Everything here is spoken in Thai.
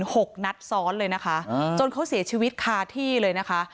หกนัดซ้อนเลยนะคะอ่าจนเขาเสียชีวิตคาที่เลยนะคะ